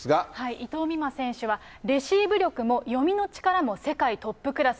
伊藤美誠選手はレシーブ力も読みの力も世界トップクラス。